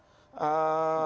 eee makan bersama sama ya